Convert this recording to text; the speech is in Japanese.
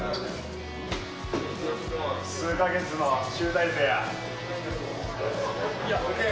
数か月の集大成や。